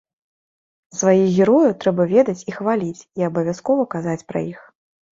Сваіх герояў трэба ведаць і хваліць, і абавязкова казаць пра іх.